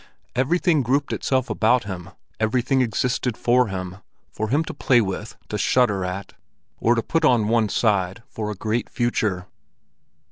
Everything grouped itself about him, everything existed for him—for him to play with, to shudder at, or to put on one side for a great future.